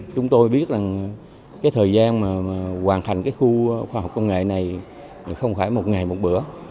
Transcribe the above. chúng tôi biết là thời gian hoàn thành khu khoa học công nghệ này không phải một ngày một bữa